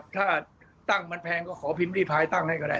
ถ้าตั้งมันแพงก็ขอพิมพ์รีพายตั้งให้ก็ได้